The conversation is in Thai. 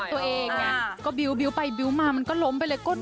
กับเพลงที่มีชื่อว่ากี่รอบก็ได้